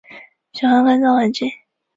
喜欢干燥环境。